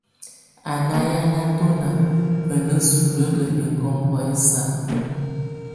A náhiana tonak, a nésulél iŋgubú esal.